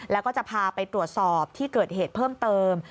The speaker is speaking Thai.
แล้วก็จะพาไปตรวจสอบที่เกิดเหตุเพิ่มเติม